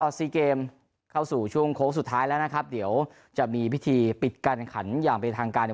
ตอนซีเกมเข้าสู่ช่วงโค้งสุดท้ายแล้วนะครับเดี๋ยวจะมีพิธีปิดการขันอย่าง